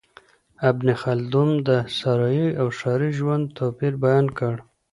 ابن خلدون د صحرایي او ښاري ژوند توپیر بیان کړ.